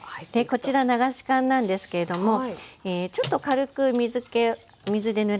こちら流し函なんですけれどもちょっと軽く水でぬらしています。